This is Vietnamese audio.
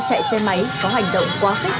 chạy xe máy có hành động quá khích